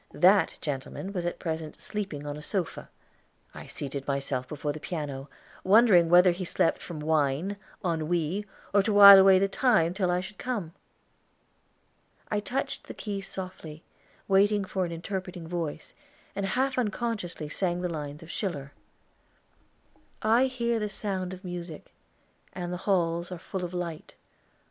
That gentleman was at present sleeping on a sofa. I seated myself before the piano, wondering whether he slept from wine, ennui, or to while away the time till I should come. I touched the keys softly, waiting for an interpreting voice, and half unconsciously sang the lines of Schiller: "I hear the sound of music, and the halls Are full of light.